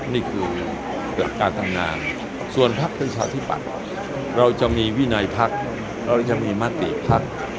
นี่คือหลักการทำงานส่วนพักประชาธิปัตย์เราจะมีวินัยพักเราจะมีมติภักดิ์